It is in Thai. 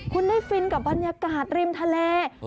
คุณได้ฟินกับบรรยากาศริมทะเล